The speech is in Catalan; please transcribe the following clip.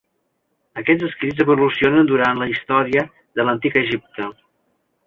Aquests escrits evolucionen durant la història de l'Antic Egipte.